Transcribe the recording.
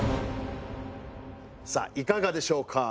さあいかがでしょうか？